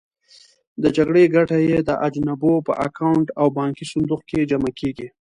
د جګړې ګټه یې د اجانبو په اکاونټ او بانکي صندوق کې جمع کېږي.